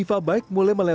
paling utama lah